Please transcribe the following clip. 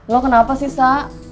lo kenapa sih sa